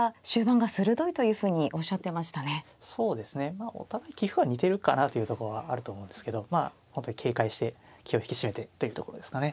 まあお互い棋風は似てるかなというとこはあると思うんですけどまあ本当に警戒して気を引き締めてというところですかね。